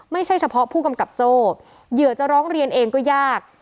ไม่ใช่เฉพาะผู้กำกับโจ้เหยื่อจะร้องเรียนเองก็ยาก